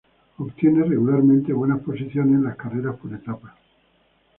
Obtiene regularmente buenas posiciones en las carreras por etapas.